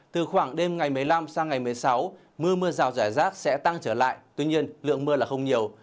từ khoảng đêm ngày một mươi năm sang ngày một mươi sáu mưa mưa rào rải rác sẽ tăng trở lại tuy nhiên lượng mưa là không nhiều